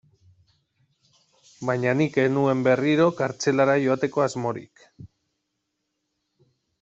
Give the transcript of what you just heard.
Baina nik ez nuen berriro kartzelara joateko asmorik.